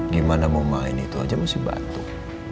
gimana mau main itu aja masih batuk